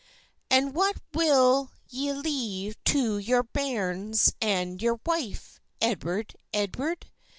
"And what will ye leave to your bairns and your wife, Edward, Edward?